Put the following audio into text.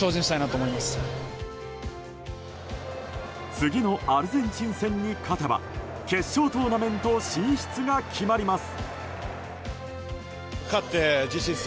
次のアルゼンチン戦に勝てば決勝トーナメント進出が決まります。